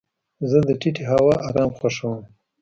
زه د ټیټې هوا ارام خوښوم.